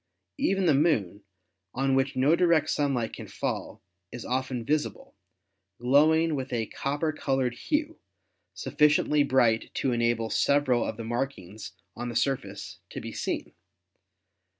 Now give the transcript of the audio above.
Even the Moon, cm which no direct sunlight can fall, is often visible, glowing with a copper colored hue, sufficiently bright to enable several of the markings on the surface to be seen.